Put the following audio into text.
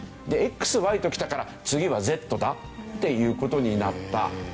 ＸとＹときたから次はＺだっていう事になった。